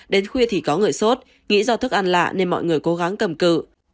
đến khuya thì có người sốt nghĩ do thức ăn lạ nên mọi người cố gắng cầm cự